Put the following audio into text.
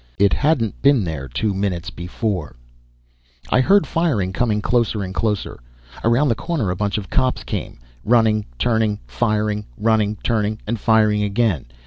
It hadn't been there two minutes before. I heard firing coming closer and closer. Around a corner a bunch of cops came, running, turning, firing; running, turning and firing again.